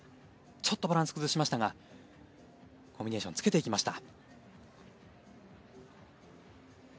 ちょっとバランスを崩しましたがコンビネーションをつけていきました。